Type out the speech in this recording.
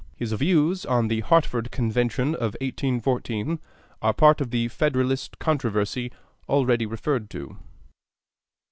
His views on the Hartford Convention of 1814 are part of the Federalist controversy already referred to.